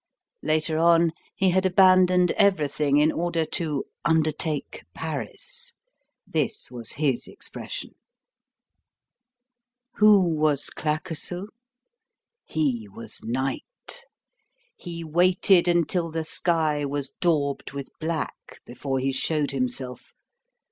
Later on he had abandoned everything, in order to "undertake Paris." This was his expression. Who was Claquesous? He was night. He waited until the sky was daubed with black, before he showed himself.